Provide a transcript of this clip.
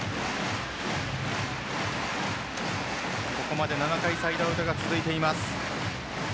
ここまで７回サイドアウトが続いています。